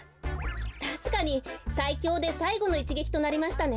たしかにさいきょうでさいごのいちげきとなりましたね。